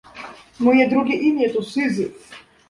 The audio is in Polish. Moje drugie imię to Syzyf